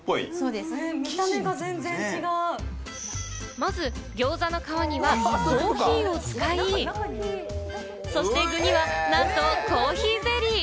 まずぎょうざの皮にはコーヒーを使い、そして具には、なんとコーヒーゼリー。